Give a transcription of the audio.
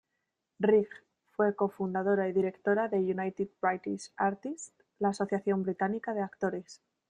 Rigg fue cofundadora y directora de United British Artists, la asociación británica de actores.